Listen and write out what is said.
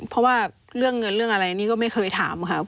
เพราะว่าเรื่องเงินเรื่องอะไรนี่ก็ไม่เคยถามครับ